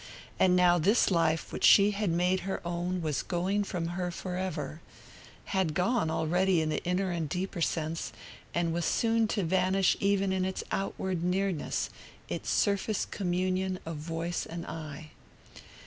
And now this life which she had made her own was going from her forever; had gone, already, in the inner and deeper sense, and was soon to vanish in even its outward nearness, its surface communion of voice and eye.